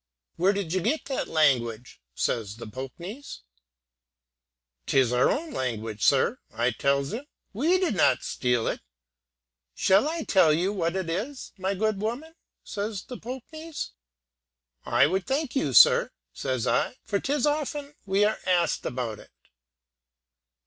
'Where did you get that language?' says the Poknees. ''Tis our own language, sir,' I tells him: 'we did not steal it.' 'Shall I tell you what it is, my good woman?' says the Poknees. 'I would thank you, sir,' says I, 'for 'tis often we are asked about it.'